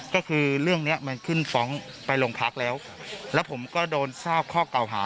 ก็คือเรื่องเนี้ยมันขึ้นฟ้องไปโรงพักแล้วแล้วผมก็โดนทราบข้อเก่าหา